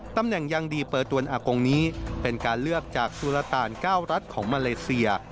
ตำแหน่งยังดีเปิดตัวนอากงนี้เป็นการเลือกจากสุรตาน๙รัฐของมาเลเซีย